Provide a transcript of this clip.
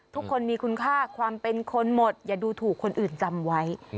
ทุกคนมีคุณค่าความเป็นคนหมดอย่าดูถูกคนอื่นจำไว้